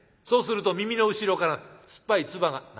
そうすると耳の後ろから酸っぱい唾が」。